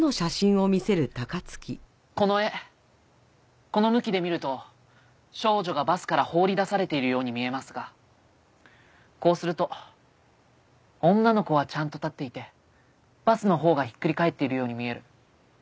この絵この向きで見ると少女がバスから放り出されているように見えますがこうすると女の子はちゃんと立っていてバスの方がひっくり返ってるように見える。